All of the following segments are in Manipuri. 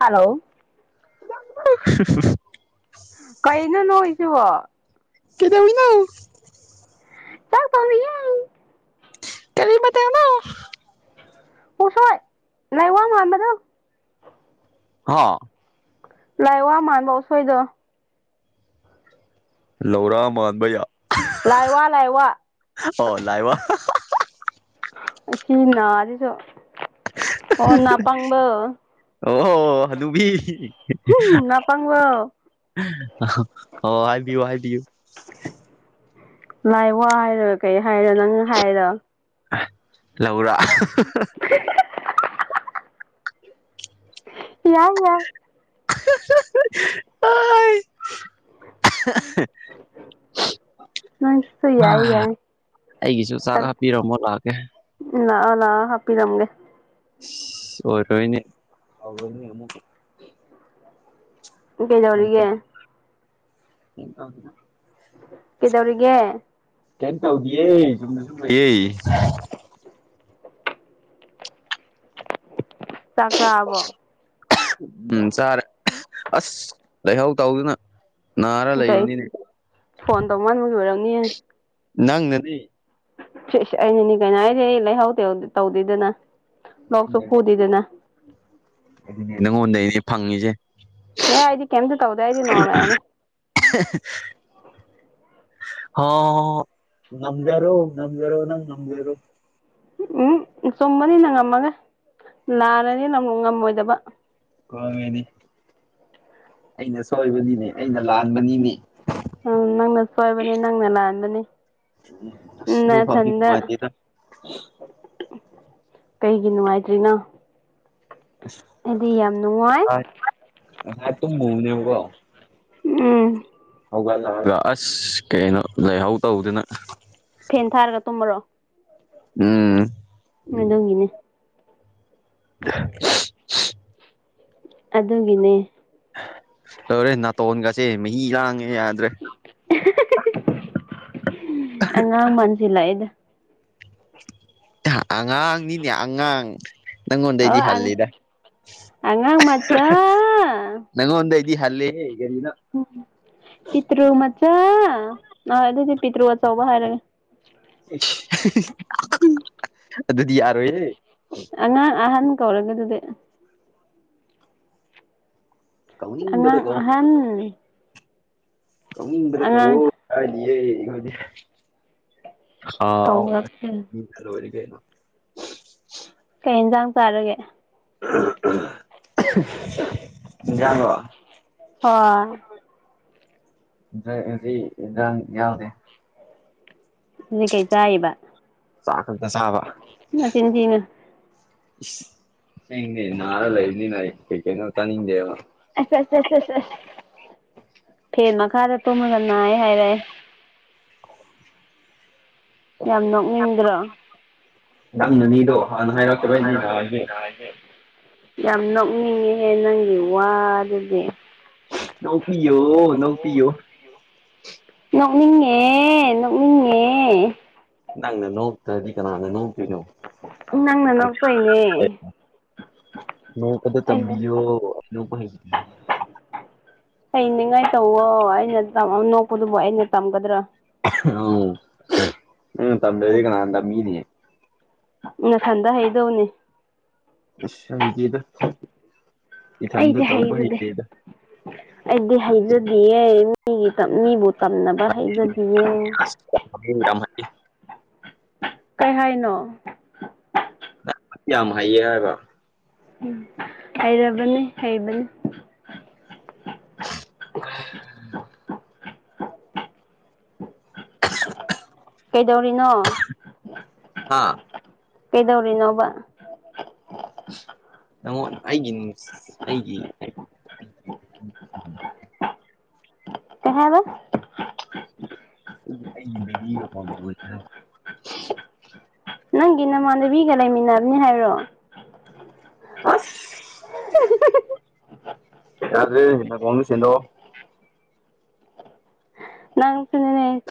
ꯍꯜꯂꯣ [unintelligible] ꯀꯩꯅꯩꯅ ꯅꯣꯏꯁꯤꯕꯣ ꯀꯗꯧꯅꯤꯅ ꯆꯥꯛ ꯊꯣꯡꯉꯤꯌꯦ ꯇꯇꯥꯣ ꯅ ꯍꯁꯣꯏ ꯉꯥꯏ ꯋꯥ ꯋꯥꯥꯟꯕꯗ ꯍ ꯂꯥꯏ ꯋꯥ ꯃꯥꯟꯕ ꯎꯁꯣꯏꯗ ꯂꯧꯔꯥ ꯃꯥꯟꯕꯩꯌꯥ ꯂꯥꯏꯋꯥ ꯂꯥꯏꯋꯥ ꯑꯣ ꯂꯥꯏꯕ ꯁꯤ ꯅꯥꯖꯤꯁꯨ ꯑꯣ ꯅꯥꯄꯪꯕꯧ ꯑꯣ ꯍꯅꯨꯕꯤ ꯅꯥꯄꯪꯕ ꯍꯥꯏꯕꯤꯌꯨ ꯍꯥꯏꯕꯤꯌꯨ ꯂꯥꯏ ꯋꯥ ꯍꯥꯏꯔ ꯀꯩ ꯍꯥꯏꯔ ꯅꯪ ꯍꯥꯏꯔ ꯂꯧꯔ [unintelligible] ꯌꯥꯏ ꯌꯥꯏ [unintelligible] [unintelligible] ꯅꯪꯁꯨꯨ ꯌꯥꯏ ꯌꯥꯏ ꯑꯩꯒꯤꯁꯨ ꯆꯥꯛ ꯍꯥꯞꯄꯤꯔꯝꯃꯣ ꯂꯥꯛꯀꯦ ꯂꯥꯛꯑꯣ ꯂꯥꯛꯑꯣ ꯍꯥꯞꯄꯤꯔꯝꯒꯦ ꯑꯣꯏꯔꯣꯏꯅꯦ [inaudible] ꯀꯩꯗꯧꯔꯤꯒꯦ [unintelligible] ꯀꯩꯗꯧꯔꯤꯒꯦ ꯀꯩꯝ ꯇꯧꯗꯤꯌꯦ [unintelligible] ꯆꯥꯛ ꯆꯔꯥꯕꯣ ꯎꯝ ꯆꯥꯔꯦ ꯑꯁ ꯂꯥꯏꯍꯧ ꯇꯧꯗꯅ ꯅꯥꯔ ꯀꯩ ꯂꯩꯕꯅꯤꯅꯦ ꯐꯣꯟ ꯇꯧꯃꯟꯕꯒꯤ ꯑꯣꯏꯔꯝꯅꯤꯌꯦ ꯅꯪꯅ ꯑꯩꯩꯅꯅꯤ ꯀꯩꯅꯣ ꯍꯥꯏꯗꯤ ꯑꯩ ꯂꯩꯍꯧꯗ ꯇꯧꯗꯦꯗꯅ ꯂꯣꯛꯁꯨ ꯐꯗꯦꯗꯅ ꯅꯪꯉꯣꯟꯗꯅꯦ ꯐꯪꯉꯤꯁꯦ ꯑꯦ ꯑꯩꯗꯤ ꯀꯩꯝꯇ ꯇꯧꯗꯦ ꯑꯩꯗꯤ ꯅꯣꯔꯃꯦꯜꯅꯤ ꯑꯣ ꯉꯝꯖꯔꯣ ꯉꯝꯖꯔꯣ ꯅꯪ ꯉꯝꯖꯔꯣ ꯎꯝ ꯆꯨꯝꯕꯅꯤꯅ ꯉꯝꯃꯒ ꯂꯥꯟꯅꯤꯅ ꯅꯪ ꯉꯝꯃꯣꯏꯗꯕ ꯍꯣꯏꯅꯦ ꯑꯩꯅ ꯁꯣꯏꯕꯅꯤꯅꯦ ꯑꯩꯅ ꯂꯥꯟꯕꯅꯤꯅꯦ ꯎꯝ ꯅꯪꯅ ꯁꯣꯏꯕꯅꯦ ꯅꯪꯅ ꯂꯥꯟꯕꯅꯦ ꯎ ꯗꯨ ꯐꯥꯎꯗꯤ ꯅꯨꯡ ꯃꯥꯇ ꯀꯩꯒꯤ ꯅꯨꯡꯉꯥꯏꯇ꯭ꯔꯤꯅ ꯑꯩꯗꯤ ꯌꯥꯝ ꯅꯨꯡꯉꯥꯏ ꯇꯨ ꯃꯨꯅꯦꯕ ꯎꯝ [inaudible] ꯍꯧꯒꯠꯂꯒ ꯑꯁ ꯀꯩꯅꯣ ꯂꯩꯍꯧ ꯇꯧꯗꯅ ꯐꯦꯟ ꯊꯥꯔꯒ ꯇꯨꯝꯃꯔꯣ ꯎꯝ [unintelligible] [inaudible] ꯑꯗꯨꯒꯤꯅꯤ [unintelligible] [inaudible] ꯑꯗꯨꯒꯤꯅꯦ ꯇꯧꯔꯦ ꯅꯥꯇꯣꯟꯒꯁꯦ ꯃꯍꯤ ꯂꯥꯡꯉꯦ ꯌꯥꯗ꯭ꯔꯦ [unintelligible] [inaudible] ꯑꯉꯥꯡ ꯃꯟꯁꯤꯜꯂꯛꯑꯦ ꯑꯉꯥꯡꯅꯤꯅꯦ ꯑꯉꯥꯡ ꯑꯣ ꯅꯪꯉꯣꯟꯗꯩꯗꯤ ꯍꯜꯂꯤꯗ ꯑꯉꯥꯡ ꯃꯆꯥ ꯅꯪꯉꯣꯟꯗꯩ ꯗꯤ ꯍꯂꯦꯍꯦ ꯎꯝ ꯄꯤꯇ꯭ꯔ ꯃ ꯑ ꯑꯗꯨꯏꯗꯤ ꯄꯤꯇ꯭ꯔꯨ ꯑꯆꯧꯕ ꯍꯥꯏꯔꯒꯦ ꯑꯗꯨꯗꯤ ꯌꯥꯔꯣꯏꯌꯦ ꯑꯉꯥꯡ ꯑꯍꯟ ꯀꯧꯔꯒꯦ ꯑꯗꯨꯗꯤ ꯀꯧꯅꯤꯡꯕꯗ ꯑꯉꯥꯡ ꯀꯧ ꯑꯍꯥꯟ [unintelligible] ꯍꯥꯎ ꯀꯧꯔꯛꯀꯦ ꯀꯩ ꯌꯦꯟꯖꯥꯡ ꯆꯥꯔꯒꯦ ꯣ [unintelligible] [inaudible] ꯍꯣꯏ ꯌꯥꯎꯗꯦ ꯖꯤ ꯀꯩ ꯆꯥꯏꯕ ꯆꯥꯛ ꯀꯗ ꯆꯕ ꯅꯆꯤꯟ ꯊꯤꯅꯨ ꯅꯔ ꯂꯩꯅꯤ ꯀ ꯀꯩꯅꯣ ꯆ ꯅꯤꯡꯗꯦꯕ ꯑ [unintelligible] [inaudible] ꯐꯦꯦꯟ ꯃꯈꯥꯗ ꯇꯨꯝꯃꯗ ꯅꯥꯑ ꯍꯥꯏꯔꯦ ꯌꯥꯝ ꯅꯣꯛꯅꯤꯡꯗ꯭ꯔꯣ ꯅꯪꯅꯅꯤꯗꯣ ꯍꯥꯟꯅ ꯍꯥꯏꯔꯛꯛꯇꯕꯩꯅꯤꯅ ꯍꯥꯏꯁꯦ ꯌꯥꯝ ꯅꯣꯛꯅꯤꯡꯉꯦꯍꯦ ꯅꯪꯒꯤ ꯋꯥꯗꯨꯗꯤ ꯅꯧꯄꯤꯌꯣ ꯅꯧꯄꯤꯌꯣ ꯅꯣꯛꯅꯤꯡꯉꯦ ꯅꯣꯛꯅꯤꯡꯉꯦ ꯅꯪꯅꯣ ꯇꯗꯤ ꯀꯅꯥꯅꯣ ꯅꯪꯅ ꯅꯣꯛꯄꯩꯅꯦ ꯅ ꯀꯗ ꯇꯕꯤꯑꯣ ꯑ ꯍ ꯍꯅꯤꯡꯉꯥꯏ ꯇꯧꯋꯣ ꯑꯩꯅ ꯅꯣꯛꯄꯗꯨꯕꯨ ꯑꯩꯅ ꯇꯝꯒꯗ꯭ꯔꯥ ꯎ ꯎꯝ ꯇꯝꯗꯖꯤ ꯀꯅꯥꯗ ꯃꯤꯅꯤꯦ ꯅꯊꯟꯗ ꯍꯩꯗꯧꯅꯦ ꯁ ꯃꯤꯒꯤꯗ ꯑꯩꯗꯤ ꯍꯩꯖꯗꯦ ꯑꯩꯗꯤ ꯍꯩꯖꯗꯌꯦ ꯃꯤꯒꯤ ꯃꯤꯕꯨ ꯇꯝꯅꯕ ꯍꯩꯖꯕꯤꯌꯦꯨ ꯑꯁ ꯌꯥꯝ ꯀꯩ ꯍꯥꯏꯅꯣ ꯀꯝ ꯍꯥꯏꯌꯦꯕ ꯎꯝ ꯍꯩꯔꯕꯅꯤ ꯍꯩꯕꯅꯤ ꯑ [unintelligible] ꯀꯩꯗꯧꯔꯤꯅꯣ ꯍꯥ ꯀꯩꯗꯧꯔꯤ ꯅꯕ ꯅ ꯑꯩꯒꯤ ꯑꯩꯒꯤ ꯀꯦꯅ ꯑꯕꯤꯒ ꯐꯁ [unintelligible] ꯅꯪꯒꯤ ꯅꯃꯥꯟꯅꯕꯤꯒ ꯂꯩꯃꯤꯟꯅꯕꯅꯤ ꯍꯥꯏꯔꯣ ꯑ ꯌꯥꯔꯟꯅ ꯀꯃ꯭ꯔꯦꯁꯦꯟꯅꯣ ꯅꯪ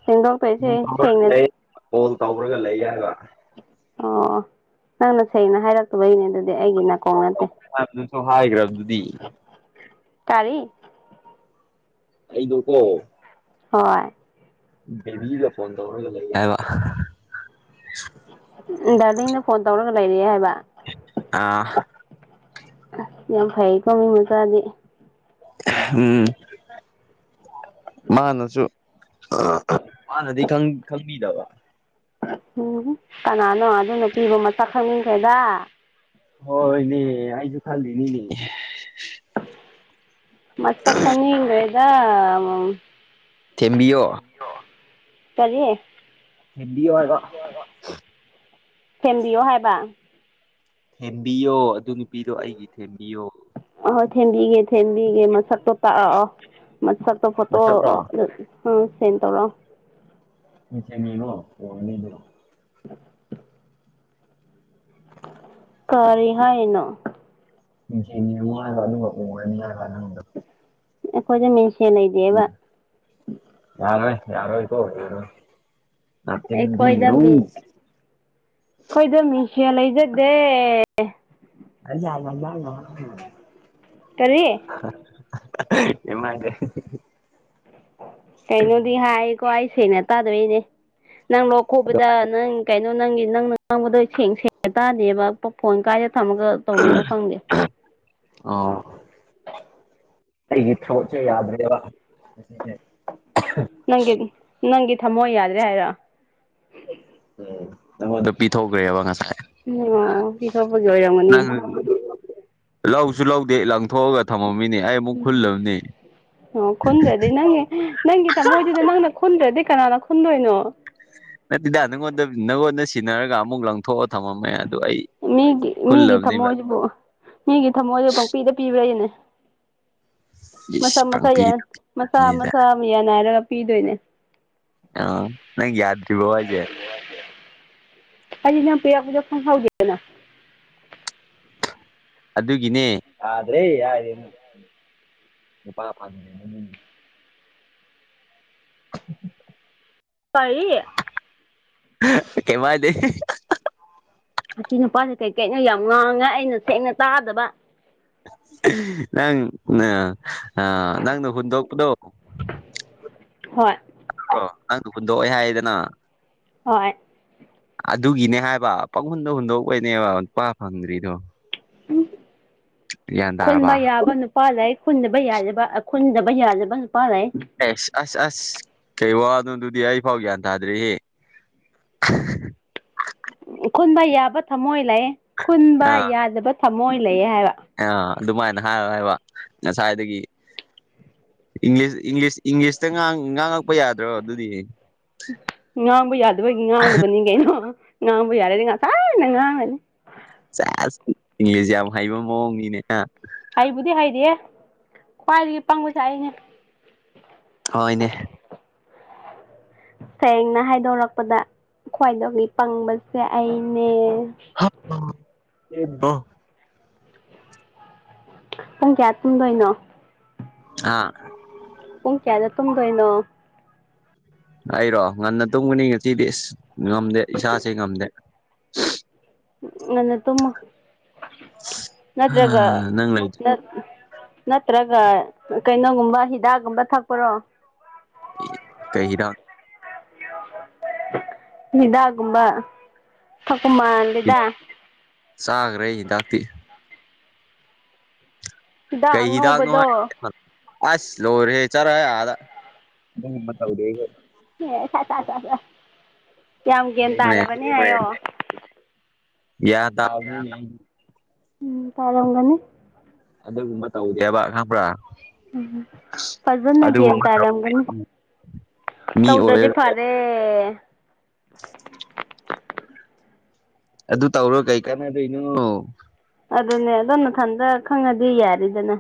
ꯁꯤꯅꯦꯒꯣꯜꯄꯁꯦ ꯁꯦꯡꯅ ꯀꯣꯜ ꯇꯧꯔꯒ ꯂꯩꯒꯕ ꯑꯣ ꯅꯪꯅ ꯁꯦꯡꯩꯅ ꯍꯥꯏꯔꯛꯇꯕꯩꯅꯦ ꯑꯗꯨꯗꯤ ꯑꯩꯒꯤ ꯅꯥꯀꯣꯡ ꯅꯠꯇꯦ ꯁꯨ ꯍꯥꯏꯈ꯭ꯔꯕ ꯑꯗꯨꯗꯤ ꯇꯥꯔꯔꯤ ꯑꯩꯗꯀꯣ ꯍꯣꯏ ꯕꯦꯕꯤꯗ ꯐꯣꯟ ꯇꯧꯔꯒ ꯂꯩ ꯍꯥꯏꯕ ꯎꯝ ꯗꯗꯥꯗꯤꯅ ꯐꯣꯟ ꯇꯧꯔꯒ ꯂꯩꯔꯑꯦ ꯍꯥꯏꯕ ꯑꯥ ꯌꯥꯝ ꯐꯩꯀꯣꯃꯤꯡ ꯃꯆꯥꯥꯗꯤꯦ ꯎꯝ ꯃꯥꯅꯁꯨ ꯍꯥꯟꯅꯗꯤ ꯈꯪꯕꯤꯗꯕ ꯎꯝ ꯀꯅꯥꯅꯣ ꯑꯗꯨꯅꯨꯄꯤꯗꯨ ꯃꯁꯛ ꯈꯪꯅꯤꯡꯈꯩꯗ ꯍꯣꯏꯅꯦ ꯑꯩꯁꯨ ꯈꯜꯂꯤꯅꯤꯅꯦ ꯃꯥꯁꯛ ꯈꯪꯅꯤꯡꯈꯔꯤꯗꯥ ꯊꯦꯝꯕꯤꯌꯣ ꯀꯔꯤ ꯊꯤꯟꯕꯤꯌꫭ ꯍꯥꯏꯕ ꯁꯦꯝꯕꯤꯌꯣ ꯍꯥꯏꯕ ꯊꯦꯝꯕꯤꯌꯣ ꯑꯗꯨ ꯅꯨꯄꯤꯗꯣ ꯑꯩꯒꯤ ꯊꯦꯝꯕꯤꯌꯣ ꯍꯣꯏ ꯊꯦꯟꯕꯤꯒꯦ ꯊꯦꯟꯕꯤꯒꯦ ꯃꯁꯛꯇꯣ ꯇꯥꯛꯑꯣ ꯃꯁꯛꯇꯣ ꯐꯣꯇꯣ ꯃꯁꯛꯂꯣ ꯑꯥ ꯁꯦꯟ ꯇꯧꯔꯛꯑꯣ ꯃꯉꯣꯔꯣ [unintelligible] ꯀꯔꯤ ꯍꯥꯏ ꯍꯥꯏꯅꯣ ꯃꯅ ꯀ ꯃꯅꯤ ꯃꯅ ꯀꯣ ꯑꯈꯣꯏꯗꯤ ꯃꯤꯡꯁꯦꯜ ꯂꯩꯇꯕꯥ ꯌꯥꯔꯣ ꯏꯀꯣꯠꯇꯤꯟꯔ ꯑꯩꯈꯣꯏꯗꯃꯤꯁꯦ ꯂꯩꯖꯗꯦ ꯑ ꯌꯥ ꯀꯔꯤ ꯏꯃꯒ ꯀꯩꯅꯣꯗꯤ ꯍꯥꯏꯀꯣ ꯑꯩ ꯁꯦꯅ ꯇꯥꯗꯣꯏꯅꯦ ꯅꯪ ꯂꯣꯛ ꯑꯗꯣ ꯈꯨꯣꯕꯗ ꯅꯪ ꯀꯩꯅꯣ ꯅꯪꯒꯤ ꯅꯪꯅ ꯉꯥꯡꯕꯗꯣ ꯁꯦꯡ ꯁꯦꯡꯅ ꯇꯥꯗꯦꯕ ꯐꯣꯟ ꯀꯥꯏꯔꯦ ꯊꯝꯃꯒ ꯇꯧꯔꯤꯅꯣ ꯈꯪꯗꯦ ꯑ ꯑꯩꯒꯤ ꯊꯕꯣꯁꯦ ꯌꯥꯗ꯭ꯔꯦꯕ ꯑꯗꯨꯦ ꯅꯪꯒꯤ ꯅꯪꯒꯤ ꯊꯝꯃꯣ ꯌꯥꯗ꯭ꯔꯦ ꯍꯥꯏꯔ ꯎ ꯅꯪꯉꯣꯗꯣ ꯄꯤꯊꯣꯛꯈ꯭ꯔꯦꯕ ꯉꯁꯥꯏ ꯎ ꯑꯣ ꯏ ꯁꯄꯒꯤ ꯑꯣꯏꯔꯝꯒꯅꯤ ꯅꯪ ꯂꯧꯁꯨ ꯂꯧꯗꯦ ꯂꯪꯊꯣꯛꯑꯒ ꯊꯝꯃꯝꯃꯤꯅꯦ ꯑꯩ ꯑꯃꯨꯛ ꯈꯨꯜꯂꯕꯅꯤ ꯑꯣ ꯈꯨꯨꯟꯗ꯭ꯔꯗꯤ ꯅꯪꯒꯤ ꯅꯪꯒꯤ ꯇꯃꯣꯏꯗꯨꯗ ꯅꯪꯅ ꯈꯨꯟꯗ꯭ꯔꯗꯤ ꯀꯅꯥꯅ ꯈꯨꯟꯗꯣꯏꯅꯣ ꯅꯠꯇꯦꯗ ꯅꯪꯉꯣꯟꯗ ꯅꯪꯉꯣꯟꯗ ꯁꯤꯟꯅꯔꯒ ꯑꯃꯨꯛ ꯂꯪꯊꯣꯛꯑ ꯊꯝꯃꯝꯃꯦꯗ ꯃꯤꯒꯤ ꯃꯤꯒꯤ ꯊꯝꯃꯣꯏꯁꯤꯕꯨ ꯃꯤꯒꯤ ꯊꯃꯣꯏꯁꯤꯕꯨ ꯄꯪꯄꯤꯗ ꯄꯤꯕ꯭ꯔꯏꯅꯦ ꯃꯁꯥ ꯏꯁ ꯃꯁꯥ ꯄꯪꯄꯤꯗꯅꯤꯗ ꯃꯆꯥ ꯃꯆꯥ ꯑꯃ ꯌꯥꯅꯔꯥ ꯍꯥꯏꯔꯒ ꯄꯤꯗꯣꯏꯅꯦ ꯑꯥ ꯅꯪ ꯌꯥꯗꯔꯤꯕꫭ ꯍꯥꯏꯖꯦ ꯑꯖꯤ ꯄꯤꯌꯥ ꯄꯨꯖ ꯐ ꯍꯒꯅ ꯑꯗꯨꯒꯤꯅꯦ ꯌꯥꯗ꯭ꯔꯦ ꯌꯥꯔꯦꯅ ꯄꯥꯂ ꯐꯥꯝ ꯎꯝ [unintelligible] ꯀꯔꯤꯦ ꯀꯃꯗ ꯑꯁꯤ ꯅꯨꯄꯥꯁꯦ ꯀꯩꯀꯩꯅꯩꯅꯣ ꯌꯥꯝ ꯉꯥꯡꯉꯦ ꯑꯩꯅ ꯁꯦꯡꯅ ꯇꯥꯗꯕ ꯅꯪ ꯑ ꯑꯥ ꯅꯪꯅ ꯍꯨꯟꯗꯣꯛꯄꯗꯣꯣ ꯍꯣꯏ ꯅꯉꯥꯡꯗ ꯍꯨꯟꯗꯣꯛꯑꯣꯦ ꯍꯥꯏꯗꯅ ꯍꯣꯏ ꯑꯗꯨꯒꯤꯅꯦ ꯍꯥꯏꯕ ꯄꯪꯍꯨꯟꯗ ꯍꯨꯟꯗꯣꯛꯄꯣꯏꯅꯦꯕ ꯅꯨꯄꯥ ꯐꯪꯗ꯭ꯔꯤꯗꯣ ꯎ ꯒ꯭ꯌꯥꯟ ꯈꯨꯟꯕ ꯇꯥꯔꯕ ꯌꯥꯕ ꯅꯨꯄꯥ ꯂꯥꯏꯛ ꯈꯨꯨꯟꯗꯕ ꯌꯥꯖꯕ ꯈꯨꯟꯗꯕ ꯌꯥꯖꯕ ꯅꯨꯄꯥ ꯂꯩ ꯑꯦꯁ ꯑꯁ ꯑꯁ ꯀꯩ ꯋꯥꯅꯣꯗꯨꯗꯤ ꯑꯩ ꯐꯥꯎ ꯒ꯭ꯌꯥꯟ ꯇꯥꯗ꯭ꯔꯤꯍ [unintelligible] ꯈꯨꯟꯕ ꯌꯥꯕ ꯊꯝꯃꯣꯏ ꯂꯩ ꯈꯨꯟꯕ ꯌꯥꯗꯕ ꯊꯝꯃꯣꯏ ꯂꯩꯌꯦ ꯍꯥꯏꯕ ꯑ ꯑꯗꯨꯃꯥꯏꯅ ꯍꯥꯏ ꯍꯥꯏꯕ ꯉꯁꯥꯏꯗꯒꯤ ꯏꯪꯂꯤꯁ ꯏꯪꯂꯤꯁ ꯏꯪꯂꯤꯁꯇ ꯉꯥꯡꯉꯛꯄ ꯌꯥꯗ꯭ꯔꯣ ꯑꯗꯨꯗꯤ ꯉꯥꯡꯕ ꯌꯥꯗꯕꯒꯤ ꯉꯥꯡꯗꯕꯅꯤ ꯀꯩꯅꯣ ꯉꯕꯨ ꯌꯥꯔꯦꯗꯤ ꯉꯁꯥꯏꯟꯅꯪ ꯉ ꯆꯁ ꯏꯪꯂꯤꯁ ꯌꯥꯝ ꯍꯩꯕ ꯃꯑꯣꯡꯅꯤꯅꯦ ꯍꯩꯕꯨꯗꯤ ꯍꯩꯔ ꯈ꯭ꯋꯥꯏꯗꯒꯤ ꯄꯪꯕꯁꯦ ꯑꯩꯅꯦ ꯍꯅꯦ ꯁꯦꯡꯅ ꯍꯥꯏꯗꯣꯔꯛꯄꯗ ꯈ꯭ꯋꯥꯏꯗꯒꯤ ꯄꯪꯕꯁꯦ ꯑꯩꯅꯦ ꯎꯝ ꯑꯦꯗꯣ ꯄꯨꯡ ꯀꯌꯥ ꯇꯨꯡꯗꯣꯏꯅꯣ ꯑ ꯄꯨꯡ ꯀꯌꯥꯗ ꯇꯗꯣꯏꯩꯅꯣ ꯑꯩꯔꯣ ꯉꯟꯅ ꯇꯨꯝꯒꯅꯤ ꯉꯁꯤꯤꯗꯤ ꯏꯁ ꯉꯝꯗꯦ ꯏꯁꯥꯁꯦ ꯉꯝꯗꯦ ꯉꯟꯅ ꯇꯨꯝꯃꯣ ꯅꯠꯇ꯭ꯔꯒ ꯅꯪ ꯂꯩ ꯅ ꯅꯠꯇ꯭ꯔꯒ ꯀꯩꯅꯣꯒꯨꯝꯕ ꯍꯤꯗꯥꯛꯒꯨꯝꯕ ꯊꯛꯄ꯭ꯔꯣ ꯀꯩꯍꯤꯗꯥꯛ ꯗꯥꯒꯨꯝꯕ ꯎꯃ ꯂꯤꯗ ꯄꯦ ꯍꯤꯗꯥꯛ ꯀꯩ ꯍꯤꯗꯥꯛꯅꯣꯉꯥꯏ ꯑꯉꯧꯕꯗꯣ ꯑꯁ ꯂꯣꯢꯔꯦꯍꯦ ꯆꯠꯔꯍꯦ ꯑꯗ ꯇꯧꯗꯦ ꯑꯦ ꯇ ꯇ ꯀꯌꯥꯝ ꯒ꯭ꯌꯥꯟ ꯑꯁꯦꯡꯕꯅꯦ ꯇꯥꯖꯔꯕꯅꯦ ꯍꯥꯏꯌꯥ ꯒꯌ꯭ꯥꯟ [unintelligible] ꯎꯝ ꯇꯥꯔꯝꯒꯅꯤ ꯑꯗꯨꯒꯨꯝꯕ ꯇꯧꯗꯦꯕ ꯈꯪꯕ꯭ꯔꯥ ꯎꯝ ꯐꯖꯟꯅ ꯒꯋ꯭ꯥꯟ ꯑꯗꯨꯒꯨꯝꯕ ꯇꯥꯔꯝꯒꯅꯤ ꯃꯤ ꯇꯧꯗ꯭ꯔꯗꯤ ꯑꯣꯏꯔ ꯐꯔꯦ ꯑꯗꯨ ꯇꯧꯔ ꯀꯩ ꯀꯥꯟꯅꯗꯣꯏꯅꯣ ꯑꯗꯨꯅꯦ ꯑꯗꯣꯝ ꯃꯊꯟꯗ ꯈꯪꯉꯗꯤ ꯌꯥꯔꯤꯗꯅ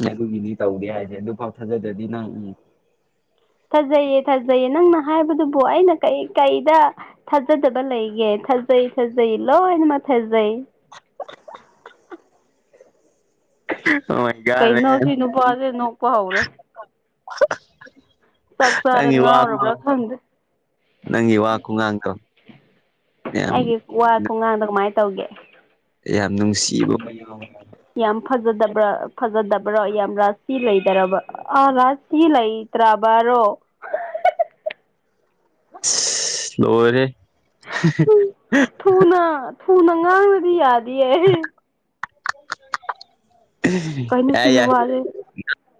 ꯅ ꯑꯗꯨꯒꯤꯗꯤ ꯇꯧꯔꯤꯦ ꯍꯥꯏꯁꯦ ꯑꯗꯨ ꯄꯥꯎ ꯊꯥꯖꯗ꯭ꯔꯗꯤ ꯅꯪ ꯎꯝ ꯊꯥꯖꯩꯌꯦ ꯊꯥꯖꯩꯌꯦ ꯅꯪꯅ ꯍꯥꯏꯕꯗꯨꯕꯨ ꯑꯩꯅ ꯀꯩ ꯀꯩꯗ ꯊꯥꯖꯗꯕ ꯂꯩꯒꯦ ꯊꯖꯩ ꯊꯥꯖꯩ ꯂꯣꯅꯃ ꯊꯖꯩ ꯃꯒꯥꯅꯦ ꯀꯩꯅꯣ ꯁꯤ ꯅꯨꯄꯥꯁꯦ ꯅꯣꯛꯄ ꯍꯧꯔꯦ ꯆꯥꯛ ꯆꯥꯔ ꯅꯪꯒꯤ ꯋꯥ ꯉꯥꯎꯔꯕ꯭ꯔꯥ ꯈꯪꯗꯦ ꯅꯪꯒꯤ ꯋꯥ ꯀꯨꯉꯥꯡꯗꯣ ꯑꯩꯒꯤ ꯋꯥ ꯈꯣꯡꯒꯥꯡꯗꯣ ꯀꯃꯥꯏ ꯇꯧꯒꯦ ꯌꯥꯝ ꯅꯨꯡꯁꯤꯕ ꯃꯌꯨꯝ ꯌꯥꯝ ꯐꯖꯗꯕ꯭ꯔꯥ ꯐꯖꯗꯕ꯭ꯔꯥ ꯌꯥꯝ ꯔꯥꯁꯤꯁꯤ ꯂꯩꯗꯔꯕ ꯑꯥ ꯔꯥꯁꯤꯁꯤ ꯂꯩ ꯇ꯭ꯔꯥ ꯕꯥꯔꯣ [unintelligible] ꯂꯣꯢꯔꯦ ꯐꯨꯅ ꯉꯥꯡꯅꯗꯤ ꯌꯥꯗꯤꯌꯦ ꯀꯩꯅꯣ ꯌꯥꯏ ꯁꯤ ꯌꯥꯏ ꯅꯨꯄꯥꯁꯦ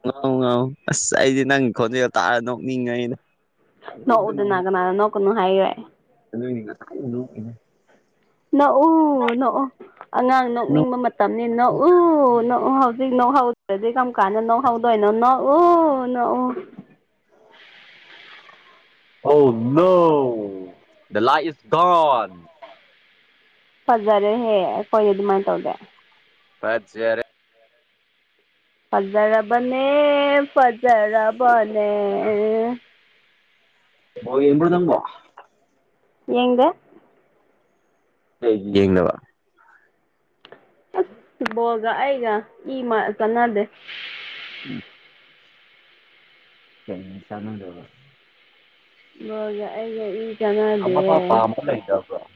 ꯉꯥꯎ ꯉꯥꯎ ꯑꯁ ꯑꯩꯗꯤ ꯅꯪꯒꯤ ꯈꯣꯟꯖꯦꯜ ꯇꯥꯔ ꯅꯣꯛꯅꯤꯡꯉꯩꯩꯗ ꯅꯣꯎꯗ ꯅꯒꯅꯥ ꯅꯣꯅꯨ ꯍꯥꯏꯋꯦ ꯣ ꯏꯩ [unintelligible] ꯅ ꯅꯣꯛꯎ ꯅꯣꯛꯎ ꯑꯉꯥꯡ ꯅꯣꯛꯅꯤꯡꯕ ꯃꯇꯝꯅꯤ ꯅꯣꯛꯎ ꯅꯣꯛꯎ ꯍꯧꯖꯤꯛ ꯅꯣꯍꯧꯗꯔꯗꯤ ꯀꯝ ꯀꯥꯟꯗ ꯅꯣꯈꯧꯗꯣꯢꯅꯣ ꯅꯣꯛꯎ ꯅꯣꯛꯎ ꯑꯣ ꯅꯧ ꯗ ꯂꯥꯏ ꯢꯁ ꯒꯣꯟ ꯍꯖꯥꯔꯦ ꯍꯦ ꯀꯣꯏ ꯑꯗꯨ ꯑꯗꯨꯃꯥꯏꯅ ꯇꯧꯗ ꯐꯖꯔꯦ ꯐꯖꯔꯔꯕꯅꯦ ꯐꯖꯔꯕꯅꯦ ꯍ ꯌꯦꯡꯗꯦ ꯍꯩ ꯌꯦꯡꯗꯕ ꯐꯨꯠꯕꯣꯜꯒ ꯑꯩꯒ ꯏ ꯆꯥꯟꯅꯗꯦ ꯎꯝ ꯀꯃꯤ ꯆꯅ ꯂꯩꯔꯕ ꯍꯣꯏꯖ ꯑꯩꯒꯦ ꯏ ꯆꯥꯟꯅꯗꯦ ꯑꯃꯐꯥꯎ ꯄꯥꯝꯕ ꯂꯩꯇꯕ꯭ꯔꯣ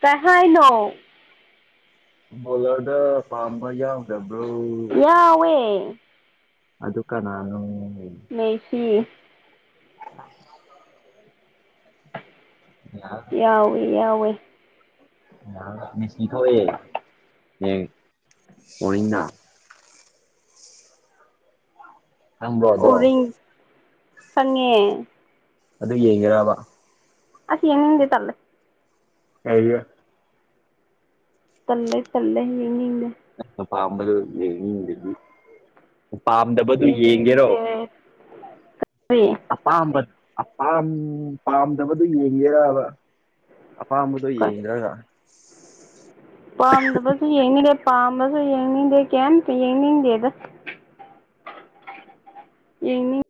ꯄꯦꯍꯥꯏꯅꯣ ꯃꯣꯂꯔꯗ ꯐꯥꯝꯕ ꯌꯥꯎ ꯌꯥꯎꯋꯦ ꯑꯗꯨ ꯀꯅꯅꯣ ꯃꯦꯁꯤ ꯑ ꯌꯥꯎꯋꯦ ꯌꯥꯋꯦ ꯊ ꯑꯦ ꯀꯅꯤꯅ ꯈꯪꯕ꯭ꯔꯣ ꯑꯗꯣ ꯎꯔꯤꯡ ꯈꯪꯉꯦ ꯑꯗꯨ ꯌꯦꯡꯒꯦꯕ ꯑꯁꯤ ꯌꯦꯅꯤ ꯍꯗꯤ ꯇꯂ ꯀ ꯇꯂꯦ ꯇꯜꯂꯦ ꯌꯦꯉꯗ ꯄꯥꯝꯕꯗꯨꯣ ꯌꯦꯡꯅꯤꯡꯗꯨꯗꯤ ꯄꯥꯝꯗꯕꯗꯨ ꯌꯦꯡꯒꯦꯔꯣ ꯌꯦꯡꯅꯤꯡꯗꯦ ꯀꯔꯤ ꯑꯄꯥꯝꯕ ꯑꯄꯥꯝ ꯄꯥꯝꯗꯕꯗꯨ ꯌꯦꯡꯒꯦꯔꯕ ꯑꯄꯥꯝꯕꯗꯣ ꯌꯦꯡꯗ꯭ꯔꯒ ꯄꯥꯝꯗꯕꯁꯨ ꯌꯦꯡꯉꯔꯦ ꯄꯥꯝꯕꯁꯨ ꯌꯦꯡꯅꯤꯡꯗꯦ ꯀꯦ ꯌꯦꯡꯅꯤꯡꯗꯦꯗ ꯌꯦꯅꯤ